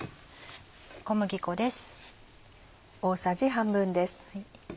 小麦粉です。